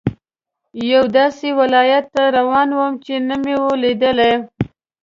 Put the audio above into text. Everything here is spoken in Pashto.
یوه داسې ولایت ته روان وم چې نه مې لیدلی.